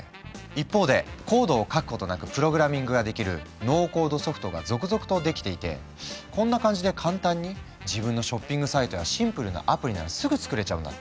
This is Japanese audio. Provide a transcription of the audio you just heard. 一方でコードを書くことなくプログラミングができる「ノーコードソフト」が続々と出来ていてこんな感じで簡単に自分のショッピングサイトやシンプルなアプリならすぐ作れちゃうんだって。